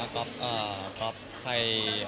ครอบไป